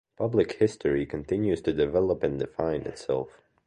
Public history continues to develop and define itself.